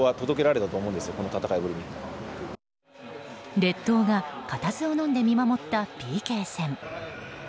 列島が固唾をのんで見守ったＰＫ戦。